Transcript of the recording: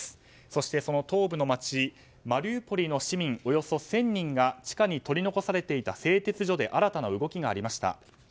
そして、その東部の街マリウポリの市民およそ１０００人が地下に取り残されていた製鉄所で新たな動きがありました。